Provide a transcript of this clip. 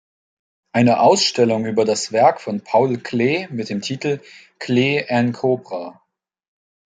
Eine Ausstellung über das Werk von Paul Klee mit dem Titel "Klee en Cobra.